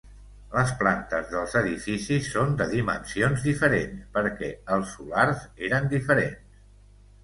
Les plantes dels edificis són de dimensions diferents perquè els solars eren diferents.